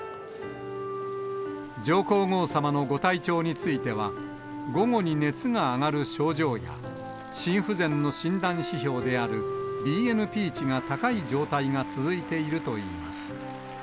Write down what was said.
上皇后さまのご体調については、午後に熱が上がる症状や、心不全の診断指標であるＢＮＰ値が高い状態が続いているといいます。